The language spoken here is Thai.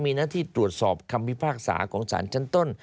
มีหน้าที่ตรวจสอบคำพิพากษาของสารชั้นต้น